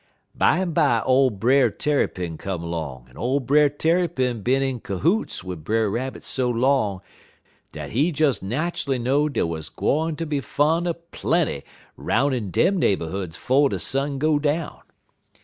"Bimeby ole Brer Tarrypin come 'long, en ole Brer Tarrypin bin in cohoots wid Brer Rabbit so long dat he des nat'ally know dey wuz gwine ter be fun er plenty 'roun' in dem neighborhoods 'fo' de sun go down.